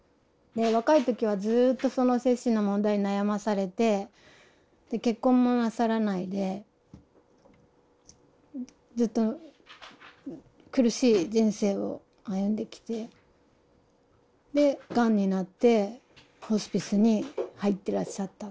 若い時はずっとその精神の問題に悩まされて結婚もなさらないでずっと苦しい人生を歩んできてでがんになってホスピスに入ってらっしゃった。